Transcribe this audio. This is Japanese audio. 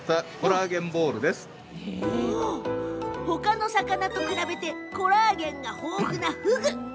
他の魚と比べてコラーゲンが豊富な、ふぐ。